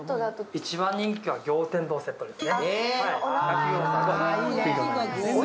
一番人気が餃天堂セットです。